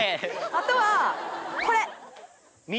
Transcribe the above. あとはこれ。